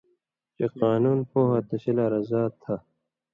چے قانُون پوہہۡ تسی لا رضا تھہ۔